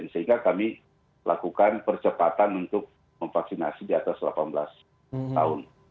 sehingga kami lakukan percepatan untuk memvaksinasi di atas delapan belas tahun